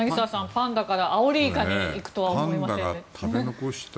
パンダからアオリイカに行くとは思いませんでした。